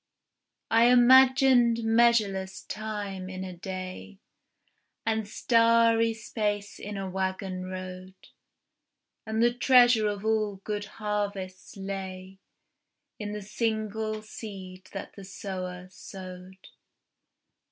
I imagined measureless time in a day, And starry space in a waggon road, And the treasure of all good harvests lay In the single seed that the sower sowed.